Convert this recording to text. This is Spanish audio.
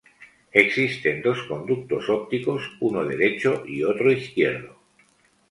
Existen dos conductos ópticos uno derecho y otro izquierdo.